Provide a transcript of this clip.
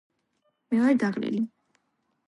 მე ვარ დაღლილი